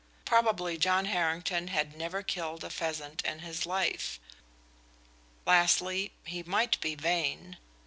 Probably John Harrington had never killed a pheasant in his life. Lastly, he might be vain.